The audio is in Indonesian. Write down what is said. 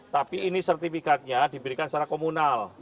tapi ini sertifikatnya diberikan secara komunal